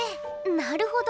なるほど。